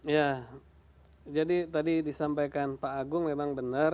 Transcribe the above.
ya jadi tadi disampaikan pak agung memang benar